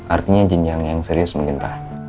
artinya jenjang yang serius mungkin pak